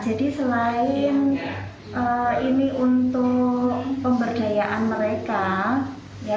jadi selain ini untuk pemberdayaan mereka